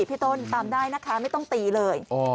พี่ต้นตามได้นะคะไม่ต้องตีเลย